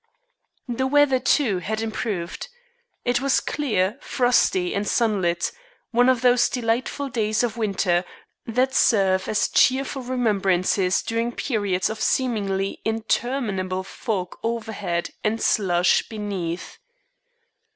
The weather, too, had improved. It was clear, frosty, and sunlit one of those delightful days of winter that serve as cheerful remembrances during periods of seemingly interminable fog overhead and slush beneath.